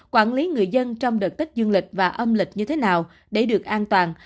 quản lý người dân trong đợt tích dương lịch và âm lịch như thế nào để được an toàn